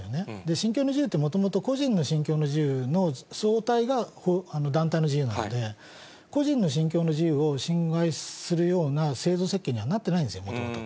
信教の自由って、もともと個人の信教の自由のそうたいが団体の自由なので、個人の信教の自由を侵害するような制度設計にはなっていないんですよ、もともと。